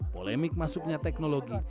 polemik masuknya teknologi